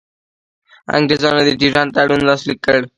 انګرېزانو د ډیورنډ تړون لاسلیک کړ.